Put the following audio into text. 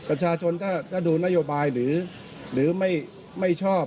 ประชาชนถ้าดูนโยบายหรือไม่ชอบ